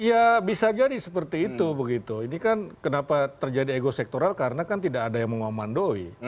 ya bisa jadi seperti itu begitu ini kan kenapa terjadi ego sektoral karena kan tidak ada yang mengomandoi